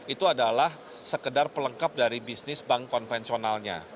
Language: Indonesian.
itu adalah sekedar pelengkap dari bisnis bank konvensionalnya